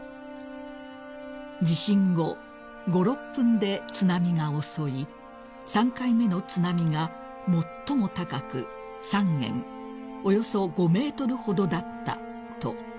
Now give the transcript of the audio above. ［「地震後５６分で津波が襲い３回目の津波が最も高く３間およそ５ｍほどだった」と］